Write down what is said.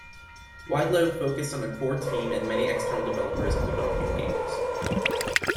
Wideload focused on a core team and many external developers in developing games.